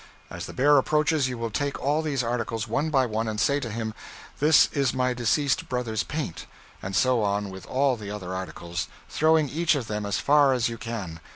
As the bear approaches, you will take all these articles, one by one, and say to him, "This is my deceased brother's paint," and so on with all the other articles, throwing each of them as far as you can.